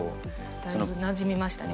だいぶなじみましたね